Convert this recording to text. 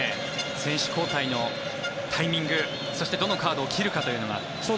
選手交代のタイミングそしてどのカードを切るかというのが。